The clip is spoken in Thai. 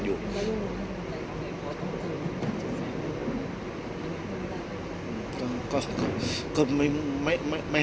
พี่อัดมาสองวันไม่มีใครรู้หรอก